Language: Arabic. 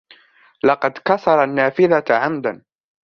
لقد كسر النافذة عمداً.